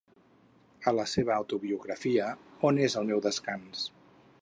A la seva autobiografia, on és el meu descans?